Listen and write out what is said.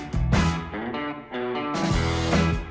โอ้ยโอ้ยกาลทรมาน